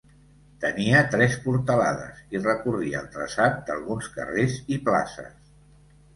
Tenia tres portalades, i recorria el traçat d'alguns carrers i places.